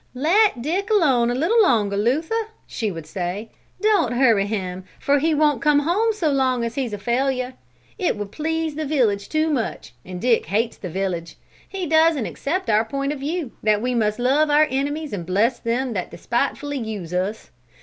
"Let Dick alone a little longer, Luther," she would say; "don't hurry him, for he won't come home so long as he's a failure; it would please the village too much, and Dick hates the village. He doesn't accept our point of view, that we must love our enemies and bless them that despitefully use us.